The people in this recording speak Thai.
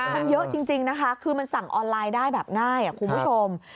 มันเยอะจริงนะคะคือมันสั่งออนไลน์ได้แบบง่ายคุณผู้ชม